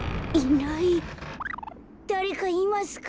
だれかいますか？